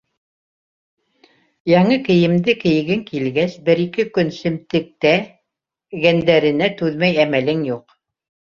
Яңы кейемде кейгең килгәс, бер-ике көн семтектә- гәндәренә түҙмәй әмәлең юҡ.